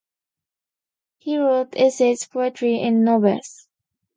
He wrote essays, poetry, and novels.